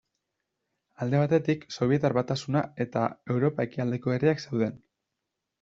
Alde batetik Sobietar Batasuna eta Europa ekialdeko herriak zeuden.